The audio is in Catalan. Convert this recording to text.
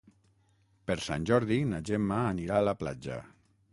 Per Sant Jordi na Gemma anirà a la platja.